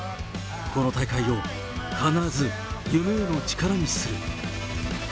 この大会を必ず、夢への力にする。